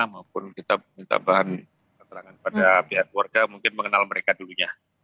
maupun kita minta bahan keterangan pada pihak keluarga mungkin mengenal mereka dulunya